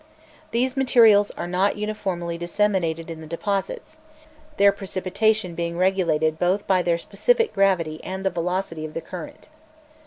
These materials are not uniformly disseminated in the deposits; their precipitation being regulated both by their specific gravity and the velocity of the current.